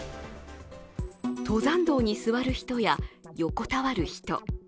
登山道に座る人や横たわる人。